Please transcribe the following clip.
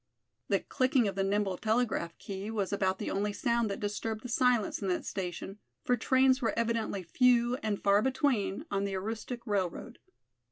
The clicking of the nimble telegraph key was about the only sound that disturbed the silence in that station, for trains were evidently few and far between on the Aroostook railroad.